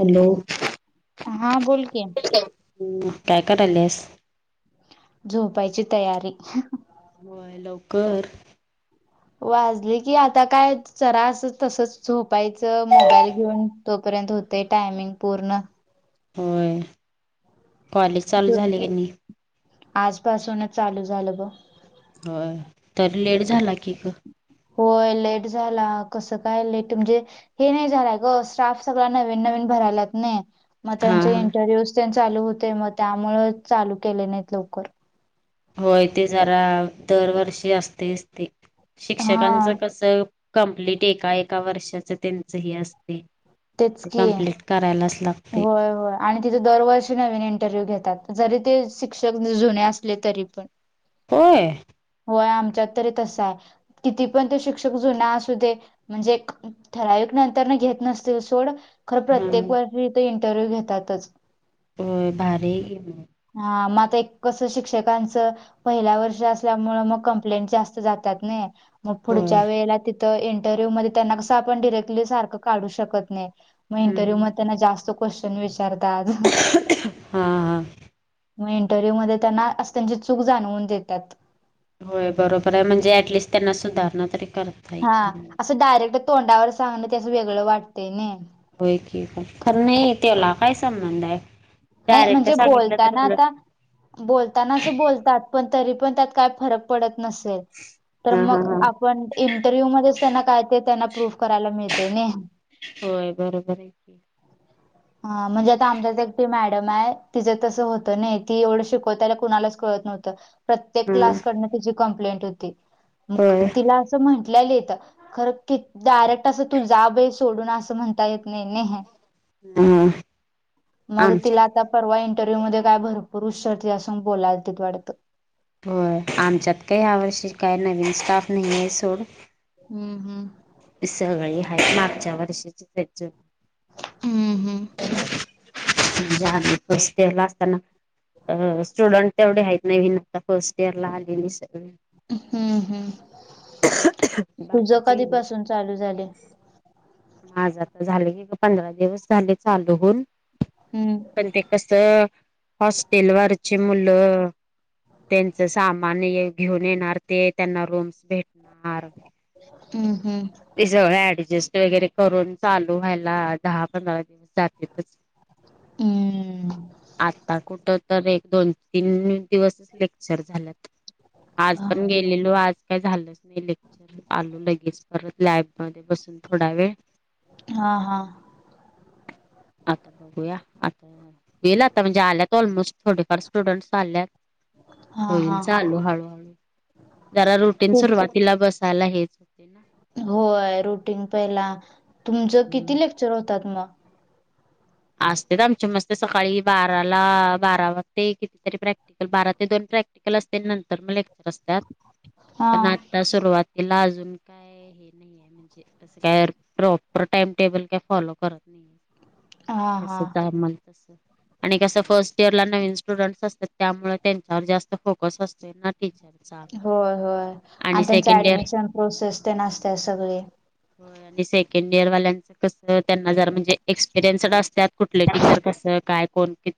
Hello हा बोल की काय करायलस झोपायची तयारी होय लवकर वाजली की आता काय चरा अस तसच झोपायचं मोबाईल घेऊन तोपर्यंत होते टायमिंग पूर्ण होय कॉलेज चालू झाले क नाही आजपासूनच चालू झालं ब होय तर लेट झाला की ग होय लेट झाला कसं काय लेट म्हणजे हे नाही झालंय ग स्टाफ सगळा नवीन नवीन भरायलात नाही मग हा त्यांचे हा इंटरव्ह्यूज चालू होते मग त्यामुळे चालू केले नाहीत लवकर होय ते जरा दरवर्षी असते असते हा शिक्षकांचं कसं कंप्लीट एका एका वर्षाच त्यांचंही असते तेच ते की कम्प्लीट करायलाच लागते होय होय आणि तिथे दरवर्षी नवीन इंटरव्ह्यू घेतात जरी ते शिक्षक जुने असले तरी पण होय होय आमच्यात तरी तसं आहे किती पण ते शिक्षक जुना असू दे म्हणजे ठराविक नंतर न घेत नसते ते सोड खर प्रत्येक हम्म वर्षी इथ इंटरव्ह्यू घेतातच. ओय भारीय की हा म आता एक कस शिक्षकांचं पहिल्या वर्ष असल्यामुळ मग कंप्लेंट जास्त जातात नई मग होय. पूडच्या वेळेला तिथं इंटरव्ह्यू मदे त्यांना कसं आपण डिरेक्टली सारक काडु शकत नाई म इंटरव्ह्यू हम्म मदे त्यांना ज्यास्त क्वेश्चन विचारतात हा हा म इंटरव्ह्यू मध्ये त्यांना अस त्यांची चूक जाणवून देतात होय बरोबर आहे म्हणजे ऍटलिस्ट त्यांना सुधारणा तरी करत हा असं डायरेक्ट तोंडावर सांगण ते असं वेगळं वाटतंय नाही हो क का ख नाही इ ते अलाका ह संबंध आहे नाही डायरेक्ट म्हणजे सांगितलं तर बोलताना उलट आता बोलताना अस बोलतात पण तरी पण त्यात काय फरक पडत नसेल तर हा हा मग हा. आपण इंटरव्ह्यू मध्येच त्यांना काय ते त्यांना प्रूफ करायला मिळते नाही होय बरोबर आहे हा म्हणजे आता आमचाच एकटी मॅडम आहे तिचं तसं होत नाही ती एवढं शिकवतायला कुणालाच कळत नव्हतं प्रत्येक हम्म क्लास ची कंप्लेंट होती म होय. तिला असं म्हंटेत खरं कि डायरेक्ट असं तू जा बे सोडून असं म्हणता येत नाही ने हे ह मग आमच्या तिला आता परवा इंटरव्ह्यू मध्ये काय भरपूर हशरते असून बोलायला तथ वाटतं हो आमच्यात का ह्या वर्षी काय नवीन स्टाफ नाही आहे सोड हम्म हम्म सगळी हायत मागच्या वर्षीची हम्म हम्म सला असताना अ स्टुडंट तेवढे हायत नवीन सगळे फर्स्ट इयर ला आलेली सगळे हम्म हम् तुझ बाकीचे कधीपासून चालू झाले [unintelligible] माझं तर झालं की रा दिवस झाले चालू हून हम्म पण ते कस हॉस्टेलवरचे मुलं तेचं सामान घेऊन येणार ते त्यांना रूम्स भेटणार हम्म हम्म ते सगळ ऍडजस्ट वैगेरे करून चालू व्हायला दहा पंधरा दिवस जातले हम [unintelligible] आता कुट तर एक दोन तीन दिवस लेक्चर झाल्यात आज पण गेलेलो आज काही झालंच नाही लेक्चर आलो लगेच परत लॅबमदे बसून थोडा वेळ हा हा आता बघूया आता वेला आता म्हणजाला ऑलमोस्ट थोडेफार स्टुडंट्स आल्यात हा होईल हा चालू हळूहळू जरा रुटीन खूप सुरुवातीला बसायला हे [unintelligible] होय रुटीन पहिला तुमचं हम्म किती लेक्चर होतात मग असतेत आमच्या मस्त सकाळी बाराला बारा वाजते कितीतरी प्रॅक्ट बारा ते दोन प्रॅक्टिकल असते नंतर मग लेक्चर असतात हा पण [unintelligible] सुरुवातीला अजून काय हे [unintelligible] प्रॉपर टाइम टेबल काय फॉलो करत नाही हा ते आस हा का मंग. आणि कसं फस्ट इयर ला नवीन स्टुडंट्स असतात त्यामुळे त्यांच्यावर जास्त फोकस असतो ना टीचर होय होय आणि त्यांची इयर ऍडमिशन प्रोसेस तेन असत्या सगळी होय आणि सेकंड इयर वाल्यांच कस त्यांना जर म्हणजे एक्सपिरियन्ड असत. त्यात कुटले टीचर कस काय कोण कित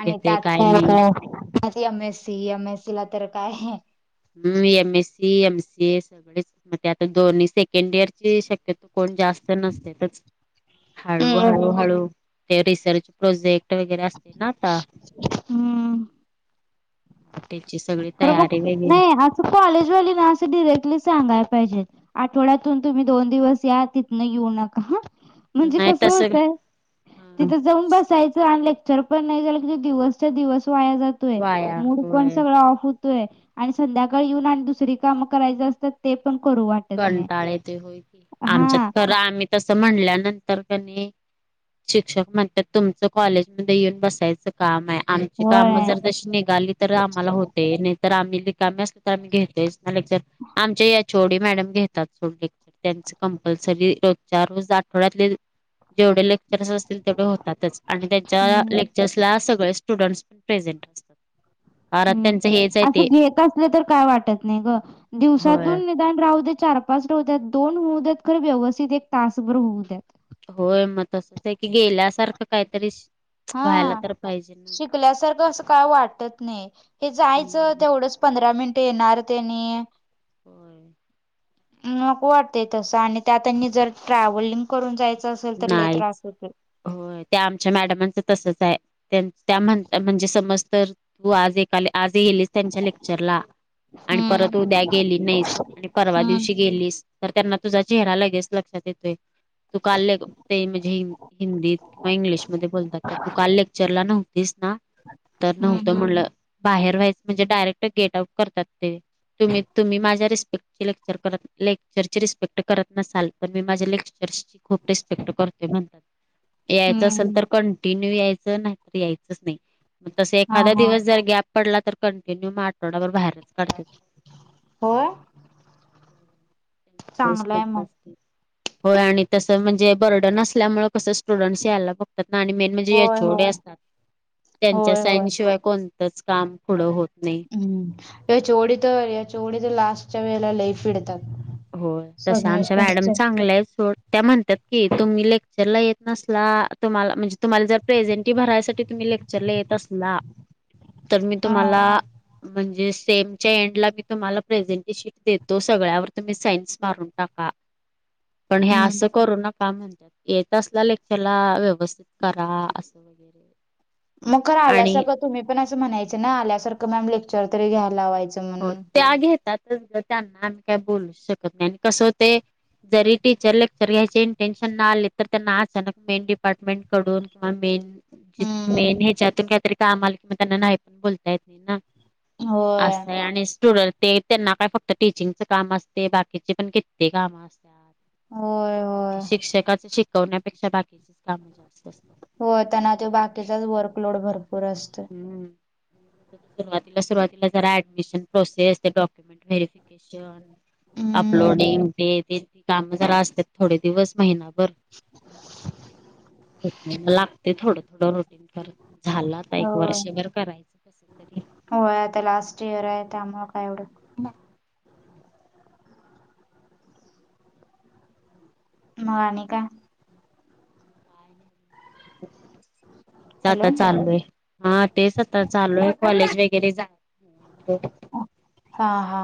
आणि त्यात M S C. M S C ला तर काय हं, M S C, M C S. तेच म्हणजे आता दोन्ही सेकंड इयर ची शक्यतो कोण जास्त नसतेतच. हळू हम्म हळू हळू ते रिसर्च प्रोजेक्ट वगैरे असते ना आता. हम्म म तेची सगळी खरं मग तयारी वगैरे. नाही कॉलेजवाली ना अस डिरेक्टली सांगाय पाहिजे. आटवड्यातून तुमी दोन दिवस या तीतनं येऊ नका हां. मणजे नाही कस तस होतंय? हा तीथ जाऊन बसायचं आणि लेक्चर पण नाई जालं कि तिथं दिवसच्या दिवस वाया जात तोय. वाया मूड पण होय सगळा ऑफ हुतोय. आणि संदयाकाळी येऊन आणि दुसरी कामं करायच असतात ते पण करू वाट कंटाळ येतोय होय. आमच्यात तर आम्ही तसं म्हणल्यानंतर का नही, शिक्षक म्हणत्यात तुमचं कॉलेजमदे येऊन बसायचं कामाय. आमची काम होय. जर तशी निगाली तर आमाला होतेय न तर आमी रीकामे असल तर आम्ही घेतोयच ना लेक्चर. आमचे एच ओ डी मॅडम घेतात रोज लेक्चर. त्यांच कंपल्सरी रोजच्या रोज आठवड्यातले जेवडे लेक्चरस असतील तेवडे होतातच. आणि त्यांच्या हं, लेक चर्सला सगळे स्टुडंट्स प्रेझेंट असतात. कारण त्यांचं हं. हेच आहे ते असं घेत असलं तर काय वाटत नाही ग. होय दिवसातून एक टाइम राहू दे. चार पाच राहू द्यात, दोन होऊ द्यात खर व्यवस्थित एक तासभर होऊ द्या. होय, मग तसच आहे की गेल्यासारखं काहीतरी शिक हं, शिकल्यासारखं असं काय वाटत नाही. हे जायचं हम्म. तेवढंच पंधरा मिनट येणार ते नी होय. नको वाटतय तसं. आणि त्या आणि जर ट्रॅव्हलिंग करून जायचं असेल तर लय नाहीच त्रास होते. होय. त्या आमच्या मॅडमांचं तसच आहे. त्या म्हणता म्हणजे समज तर तू आज एक आली आज गेली त्यांच्या लेक्चरला आणि हम्म परत उद्या गेली नाही आणि परवा हम्म दिवशी गेलीस तर त्यांना तुझा चेहरा लगेच लक्षात येतोय. तू काल ले ते म्हणजे हिन हिंदीत किंवा इंग्लिशमध्ये बोलतात तर तू काल लेक्चरला नव्हतीस का? ना तर हम्म नव्हतं हम्म म्हणलं बाहेर व्हायचं म्हणजे डायरेक्ट गेट आउट करतात ते. तुम्ही तुम्ही माझ्या रिस्पेक्टची लेक्चर करत लेक्चरची रिस्पेक्ट करत नसाल तर मी माझ्या लेक्चरची खूप रिस्पेक्ट करते म्हणतात. यायचं असेल हम्म तर कंटिन्यू यायचं, नाही तर यायचच नाही. म तस हा एखादा हा दिवस जर गॅप पडला तर कंटिन्यू म आठवडाभर बाहेरच काढते. होय? लई चांगलाय स्ट्रिक्ट मग असते. होय आणि तसं म्हणजे बर्डन असल्यामुळे कसं स्टुडंट्स यायला बघतात ना. आणि मेन म्हणजे होय एच ओ डी होय असतात. त्यांच्या होय होय साईनशिवाय कोणतंच काम पुढं होत नाही. हं. एच ओ डी त एच ओ डी तर लास्टच्या वेळेला लई पिडतात. होय. तस आमच्या मॅडम सबमिशनचे चांगल्यायेत सोड. त्या म्हणतात की, तुम्ही लेक्चरला येत नसला तुम्हाला म्हणजे तुम्हाला जर प्रेझेंटि भरायसाठी तुम्ही लेक् क्चरला येत असला, तर मी हा तुम्हाला म्हणजे सेमच्या एंडला मी तुम्हाला प्रेझेंटेशिट देतो सगळ्यावर तुम्ही साईन्स मारून टाका. पण हे हम्म अस करू नका. का म्हणतात. येत असल्या लेचरला व्यवस्थित करा अस, [unintelligible] मग खर आल्यासारखं तुम्ही पण असं म्हणायचं ना आल्यासारखं मॅम लेक्चर तरी घ्यायला लावायचं. हो म्हणून. त्या घेतात त्यांना आम्ही काय बोलू शकत नाही आणि कसं होतय जरी टीचर लेक्चर घ्यायचे ईटेन्शन न आले तर त्यांना असा ना मेन डिपार्टमेंट कडून किंवा मेन हम्म मेन ह्याच्यातून काहीतरी काम आलं कि म त्यांना नाही पण बोलताय. होय अस आणि स्टुडंट ते त्यांना काय फक्त टीचिंगच काम असते बाकीचे पण किती काम असते. [inaudible] हो. शिक्षकाच शिकवण्यापेक्षा बाकीचेच काम जास्त असतात. होय त्याना ते बाकीचाच वर्कलोड भरपूर असतो. हम्म. सुरुवातीला सुरुवातीला जरा ऍडमिशन प्रोसेस डॉक्युमेंट व्हेरिफिकेशन. हम्म अपलोडिंग ते ते काम जरा असतात थोडे दिवस महिना बर लागते थोड थोड रुटीन कर झाला. हो होय आता लास्ट इयर आहे त्यामुळे काय एवढं. म मग आणि काय. आ हॅलो आता चालू आहे. हा तेच आता चालू आहे कॉलेज वगैरे जा हा हा.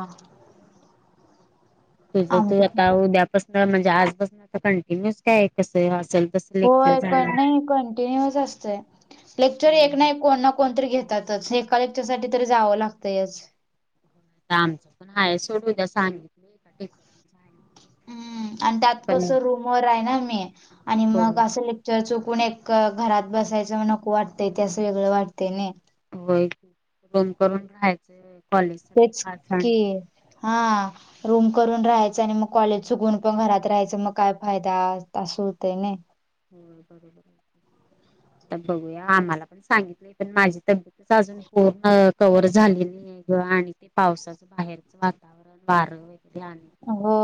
तुझ आमच तू आता उद्यापासन म्हणजे आजपासूनता कंटिन्यूस काय आहे कसं असेल तस होय नाही कंटिन्युअस असतय लेक्चर एक ना एक नाही आता कोण कोणतरी घेतातच ऐका लेक्च्रर साठी तरी जावं लागतंय. आमचं पण हाय सोडून द्या सां कटचर [unintelligible] हम्म आणि त्यात पण कस रूम वर आहे ना मी आणि हो मग असं च चुकून एक घरात बसायचं नको वाटतंय ते असं वेगळं वाटतंय नाही. होय रूम करून राहायचं. कॉलेज साठी तेच खास आणि की हा आ रूम करून राहायचं आणि मग कॉलेज चुकून पण घरात राहायच मग काय फायदा असं होतय नाही. हो बरोबर बघूया आम्हाला पण सांगत पण माझी तब्येत अजून पूर्ण कव्हर झाली नाही ग आणि ते पावसाात बाहेरचं वातावरण बारावित ध्यान. हो.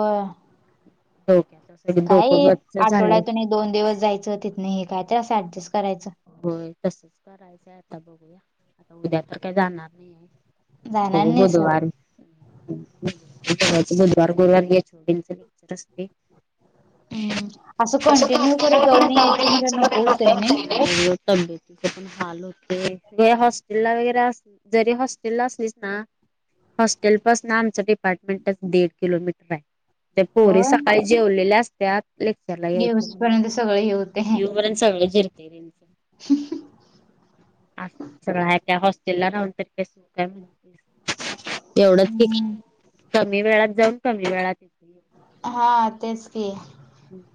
होय डोकं गच्च झालं. आठवड्यातून एक दोन दिवस जायचं तिथन हे काय तर असं ऍडजस्ट करायचं. होय तसच करायचंय आता बघूया आता उद्या तर काय जाणार नाहीय. जाणार बघू नाहीस बुधवार. बुधवार चे गुरुवारी छोटंच लेक्चर असते. हम्म त असं कंटिन्यू करत जाऊन [unintelligible] यायचं म्हटलं नको होतंय नाही [inaudible] तब्येत पण हा [unintelligible] े हॉस्टेल ला वगैरे अस जरी हॉस्टेल ला असलीस ना हॉस्टेलपस ना आमंच डिपार्टमेंटच दीड किलोमीटर आहे. ते पोरी होय सकाळी जेवलेल्या असत्याात लेक्चर ला यायचं येऊस म्हणून पर्यंत सगळं हे येऊ पर्यंत सगळे जिरते त्यांच. हम्. अस का हॉस्टेल ला राहून तरी कास काय म्हण एवढंच क हम्म कमी वेळात जाऊन कमी वेळात येत. हा तेच की.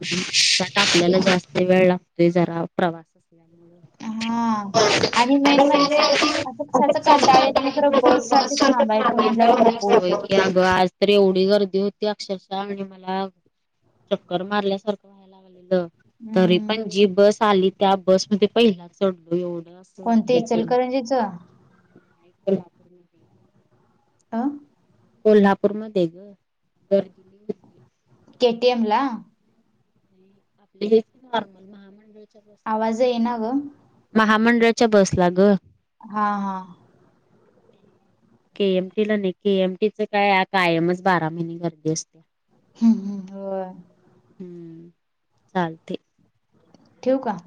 त्यात आपल्याला जास्त वेळ लागतोय जरा प्रवास हा असल्यामुळे. आणि मेन म्हणजे असं कशाच कंटाळ येत नाही खरं बस साठी थांबायचं म्हटलंच नको. होतंय की अगं आज तर एवढी गर्दी होती अक्षरशः आणि मला चक्कर मारल्यासारखं व्हायला लालेलं तरी हम्म पण जी बस चाली त्या बस मध्ये पहिला चढलो येऊन अस कोणते हे के इचलकरंजीच? ह ह ता कोल्हापूरमध्ये ग गर्दी. लई होती के टी एम ला आपली हे नॉर्मल महामंडळाच्या बस ला आवाज येईना ग. महामंडळाच्या बसला ग हा हा केएमटीला नाही के एमटी च काय कायमच बारा महिने गर्दी असते ह् ह होय हम् चालते ठेवू का